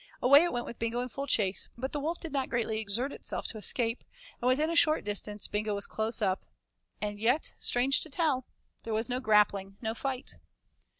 Away it went with Bingo in full chase, but the wolf did not greatly exert itself to escape, and within a short distance Bingo was close up, yet strange to tell, there was no grappling, no fight!